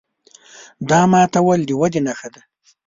دا ماتول د ودې نښه ده.